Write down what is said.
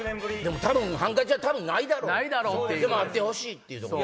多分ハンカチはないだろうでもあってほしいっていう。